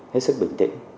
hết sức bình tĩnh